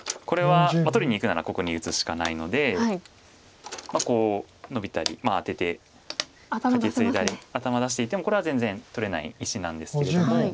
取りにいくならここに打つしかないのでこうノビたりアテてカケツイだり頭出していてもこれは全然取れない石なんですけれども。